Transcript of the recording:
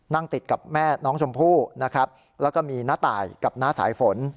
นั่งติดกับแม่น้องชมพู่นะครับแล้วก็มีน้าตายกับน้าสายฝน